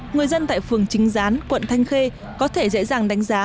người dân tại phường chính gián quận thanh khê có thể dễ dàng đánh giá